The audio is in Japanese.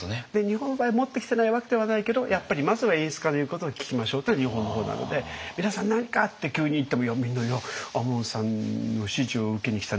日本の場合持ってきてないわけではないけどやっぱりまずは演出家の言うことを聞きましょうというのが日本の方なので「皆さん何か！」って急に言ってもみんな「いや亞門さんの指示を受けに来たんです」。